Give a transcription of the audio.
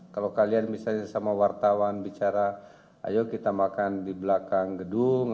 kalau kalian misalnya sama wartawan bicara ayo kita makan di belakang gedung